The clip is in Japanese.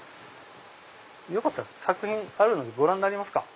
よかったら作品あるのでご覧になりますか？